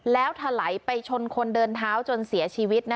แล้วถลายไปชนคนเดินเท้าจนเสียชีวิต